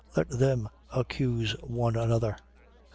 Let them accuse one another.